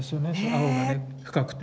青がね深くて。